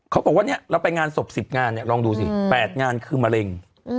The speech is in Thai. เขาบอกว่าเนี่ยเราไปงานศพ๑๐งานเนี่ยลองดูสิ๘งานคือมะเร็ง